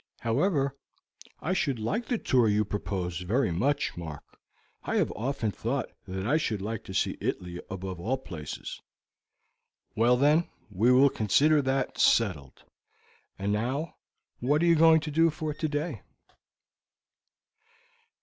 "However, I should like the tour you propose very much, Mark. I have often thought that I should like to see Italy above all places." "Well, then, we will consider that settled. And now, what are you going to do for today?"